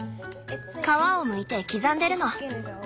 皮をむいて刻んでるの。